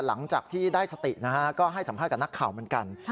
หลังจากที่ได้สตินะฮะก็ให้สัมภาษณ์กับนักข่าวเหมือนกัน